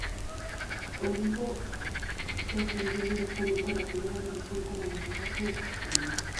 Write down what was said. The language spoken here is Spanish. Olimpo ascendió directamente a la Primera División como ganador de ambos torneos.